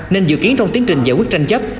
nên dự kiến trong tiến trình giải quyết tranh chấp